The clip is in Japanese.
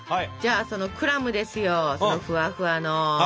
じゃあそのクラムですよふわふわの。